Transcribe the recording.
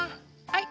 はい。